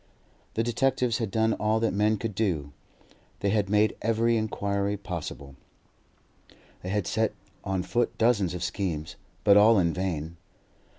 The detectives had done all that men could do; they had made every inquiry possible, they had set on foot dozens of schemes; but all in vain.